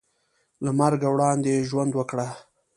له مرګه وړاندې ژوند وکړه .